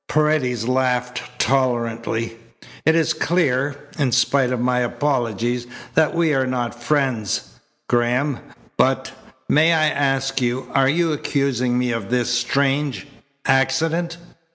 Paredes laughed tolerantly. "It is clear, in spite of my apologies, that we are not friends, Graham; but, may I ask, are you accusing me of this strange accident?"